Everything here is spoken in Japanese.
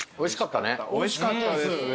おいしかったね。